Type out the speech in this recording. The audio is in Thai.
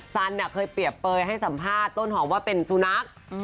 สันเคยเปรียบเปยให้สัมภาษณ์ต้นหอมว่าเป็นสุนัข